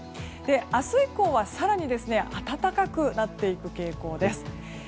明日以降は更に暖かくなっていく傾向です。